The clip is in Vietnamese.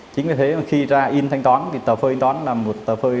chính vì thế mà khi ra in thanh toán thì tờ phơi in toán là một tờ phơi